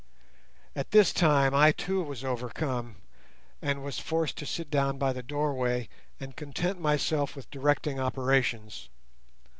At this time, I too was overcome, and was forced to sit down by the doorway, and content myself with directing operations.